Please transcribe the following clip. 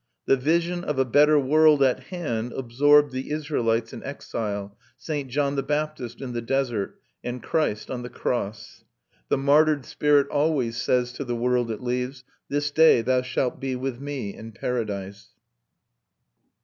The vision of a better world at hand absorbed the Israelites in exile, St. John the Baptist in the desert, and Christ on the cross. The martyred spirit always says to the world it leaves, "This day thou shall be with me in paradise."